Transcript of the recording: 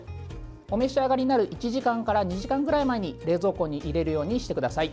お召し上がりになる１時間から２時間ぐらい前に冷蔵庫に入れるようにしてください。